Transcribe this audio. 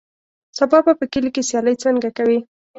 سبا به په کلي کې سیالۍ څنګه کوې.